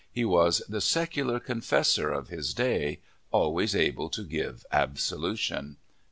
He was the secular confessor of his day, always able to give absolution.